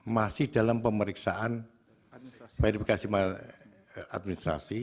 masih dalam pemeriksaan verifikasi administrasi